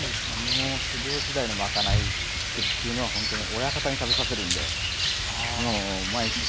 もう修業時代のまかないつくるっていうのはほんとに親方に食べさせるんでもう毎日真剣勝負ですね。